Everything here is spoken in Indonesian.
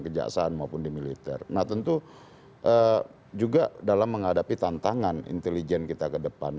kejaksaan maupun di militer nah tentu juga dalam menghadapi tantangan intelijen kita ke depan